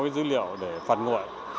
cái dữ liệu để phạt nguội